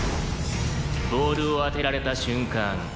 「ボールを当てられた瞬間